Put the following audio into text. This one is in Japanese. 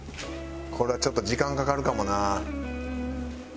これはちょっと時間かかるかもな。